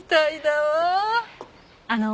あの。